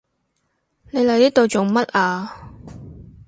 你嚟呢度做乜啊？